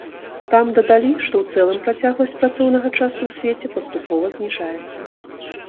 Там дадалі, што ў цэлым працягласць працоўнага часу ў свеце паступова зніжаецца.